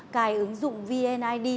cài ứng dụng vnid